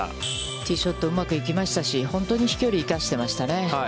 ティーショット、うまく行きましたし、本当に飛距離を生かしてましたね。